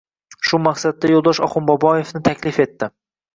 Shu maqsadda Yo‘ldosh Oxunboboevni taklif etdi.